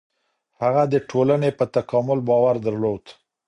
هغه د ټولني په تکامل باور درلود.